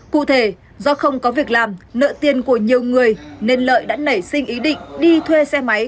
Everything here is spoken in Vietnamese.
cụ thể do không có việc làm nợ tiền của nhiều người nên lợi đã nảy sinh ý định đi thuê xe máy